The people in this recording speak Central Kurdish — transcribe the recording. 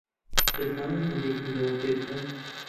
دەتوانن ھەندێکم لەوە پێ بدەن؟